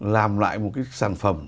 làm lại một cái sản phẩm